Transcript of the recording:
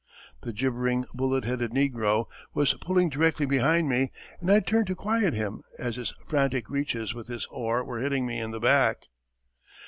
The gibbering bullet headed negro was pulling directly behind me and I turned to quiet him as his frantic reaches with his oar were hitting me in the back.